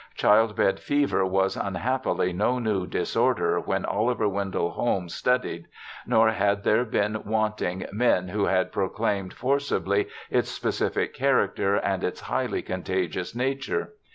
Child bed fever was unhappily no new disorder when Oliver Wendell Holmes studied, nor had there been wanting men who had proclaimed forcibly its specific character and its highly contagious nature.